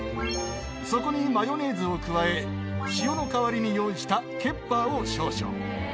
そこにマヨネーズを加え塩の代わりに用意したケッパーを少々。